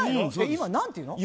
今何ていうの？